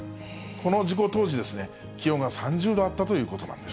この事故当時、気温が３０度あったということなんです。